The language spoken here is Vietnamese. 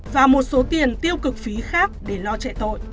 và một số tiền tiêu cực phí khác để lo chạy tội